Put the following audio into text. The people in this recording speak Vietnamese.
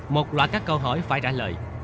một loại các câu hỏi phải trả lời